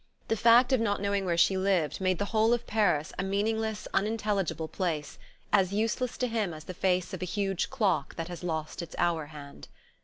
The fact of not knowing where she lived made the whole of Paris a meaningless unintelligible place, as useless to him as the face of a huge clock that has lost its hour hand.